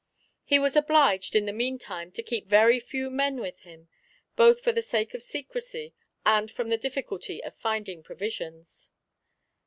He was obliged, in the meantime, to keep very few men with him, both for the sake of secrecy, and from the difficulty of finding provisions.